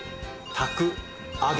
炊く揚げる